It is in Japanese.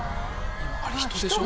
「あれ人でしょ？